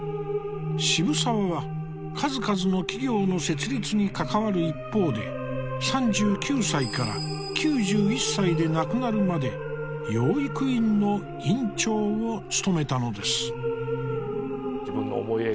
渋沢は数々の企業の設立に関わる一方で３９歳から９１歳で亡くなるまで養育院の院長を務めたのです。